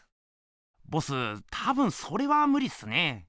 ボス多分それはむりっすね。